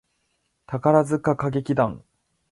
宝塚歌劇団